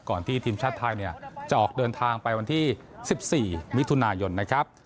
ที่ทีมชาติไทยจะออกเดินทางไปวันที่๑๔มิถุนายนนะครับ